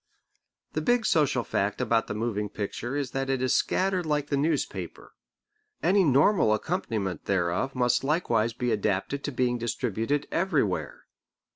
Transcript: The big social fact about the moving picture is that it is scattered like the newspaper. Any normal accompaniment thereof must likewise be adapted to being distributed everywhere.